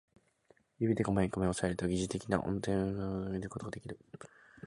指でこめかみを抑えると疑似的な相対音感を得ることができる